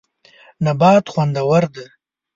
نبات خوندور دی.